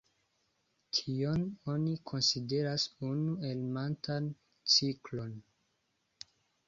Tion oni konsideras unu-elementan ciklon.